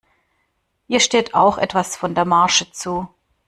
Ihr steht auch etwas von der Marge zu.